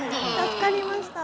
助かりました。